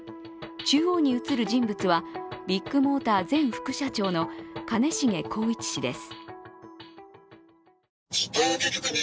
中央に映る人物はビッグモーター前副社長の兼重宏一氏です。